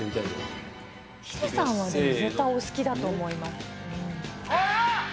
ヒデさんは絶対お好きだと思います。